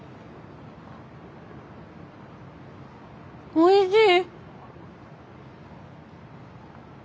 おいしい！